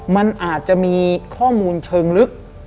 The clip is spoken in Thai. มันอาจจะมีข้อมูลเชิงลึก